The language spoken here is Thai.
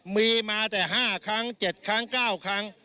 มีมาแต่๕ครั้ง๗ครั้ง๙ครั้ง